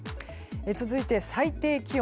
続いて、最低気温。